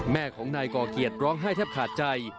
แม่ของนายก่อเกียรติร้องไห้แทบขาดใจ